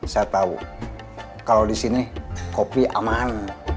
saya tau kalau disini kopi aman